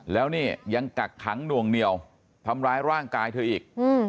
แล้วนี่ยังกักขังหน่วงเหนียวทำร้ายร่างกายเธออีก